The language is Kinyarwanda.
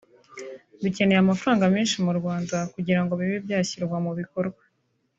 dukeneye amafaranga menshi mu Rwanda kugira ngo bibe byashyirwa mu bikorwa